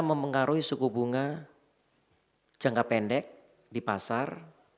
mempengaruhi suku bunga jangka pendek di pasar